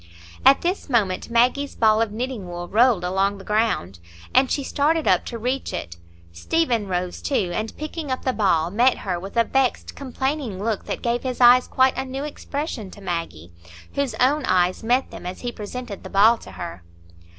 At this moment Maggie's ball of knitting wool rolled along the ground, and she started up to reach it. Stephen rose too, and picking up the ball, met her with a vexed, complaining look that gave his eyes quite a new expression to Maggie, whose own eyes met them as he presented the ball to her.